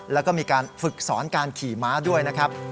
แล้วก็มีการฝึกสอนการขี่ม้าด้วยนะครับ